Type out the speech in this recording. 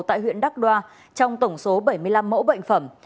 tại huyện đắk đoa trong tổng số bảy mươi năm mẫu bệnh phẩm